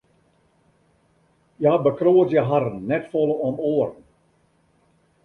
Hja bekroadzje harren net folle om oaren.